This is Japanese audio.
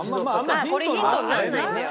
これヒントにならないんだよ。